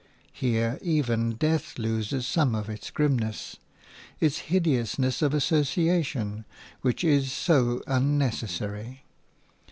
Here, even death loses some of its grimness – its hideousness of association, which is so unnecessary.